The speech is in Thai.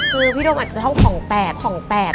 คือพี่โดมอาจจะเท่าของแปลกของแปลก